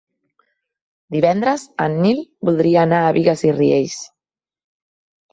Divendres en Nil voldria anar a Bigues i Riells.